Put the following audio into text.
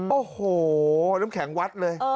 โอ้โหน้ำแข็งวัดเลย